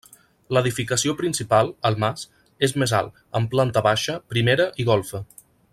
L'edificació principal -el mas- és més alt, amb planta baixa, primera i golfa.